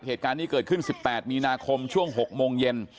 เหตุการณ์นี้เกิดขึ้น๑๘มีนาคมช่วง๖โมงเย็น